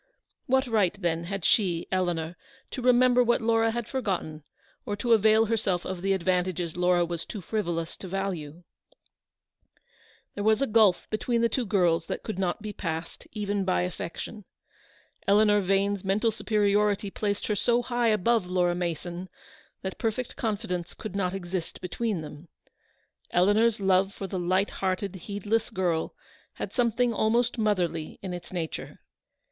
What right, then, had she, Eleanor, to remember what Laura had forgotten, or to avail herself of the advantages Laura was too frivolous to value ? There was a gulf between the two girls that could not be passed, even by affection. Eleanor T 2 276 Vane's mental superiority placed her so high above Laura Mason that perfect confidence could not exist between them. Eleanor's love for the light hearted, heedless girl, had something almost motherly in its nature.